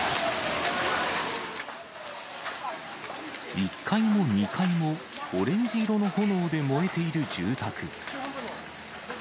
１階も２階も、オレンジ色の炎で燃えている住宅。